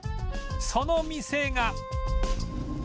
その店が